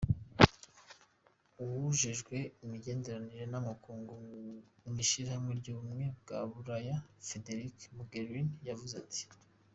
Uwujejwe imigenderanire n'amakungu mw'ishirahamwe ry'Ubumwe bwa Bulaya, Federica Mogherini, yavuze ati:.